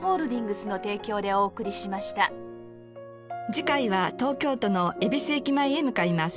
次回は東京都の恵比寿駅前へ向かいます。